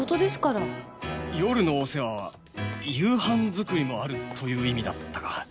夜のお世話は夕飯作りもあるという意味だったか